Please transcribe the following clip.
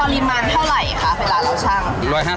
ตอนนี้มันเท่าไหร่ค่ะเวลาเราชั่ง